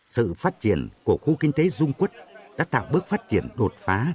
sự phát triển của khu kinh tế dung quốc đã tạo bước phát triển đột phá